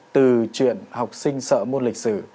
từ chuyện học sinh sợ môn lịch sử